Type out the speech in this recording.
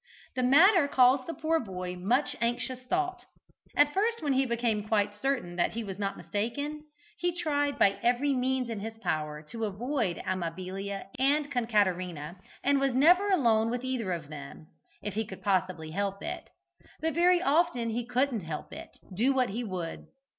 The matter caused the poor boy much anxious thought. At first, when he became quite certain that he was not mistaken, he tried, by every means in his power, to avoid Amabilia and Concaterina, and was never alone with either of them if he could possibly help it. But very often he couldn't help it, do what he would.